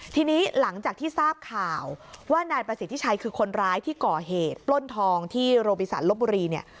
ทีนี้หลังจากที่ทราบข่าวว่านายประสิทธิชัยคือคนร้ายที่ก่อเหตุปล้นทองที่โรบิสันลบบุรีเนี่ย